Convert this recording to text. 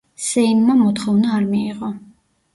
სეიმმა მოთხოვნა არ მიიღო.